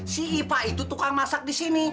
si ipa itu tukang masak di sini